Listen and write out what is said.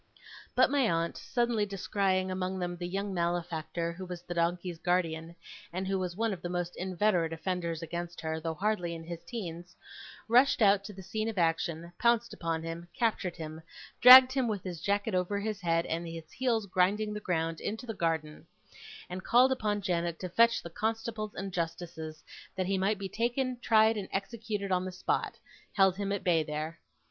But my aunt, suddenly descrying among them the young malefactor who was the donkey's guardian, and who was one of the most inveterate offenders against her, though hardly in his teens, rushed out to the scene of action, pounced upon him, captured him, dragged him, with his jacket over his head, and his heels grinding the ground, into the garden, and, calling upon Janet to fetch the constables and justices, that he might be taken, tried, and executed on the spot, held him at bay there.